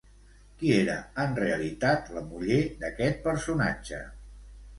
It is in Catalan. Qui era en realitat la muller d'aquest personatge?